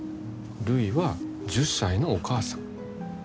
るいは１０歳のお母さん。